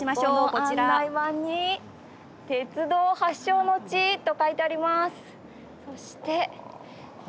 ここの案内板に鉄道発祥の地と書いてあります。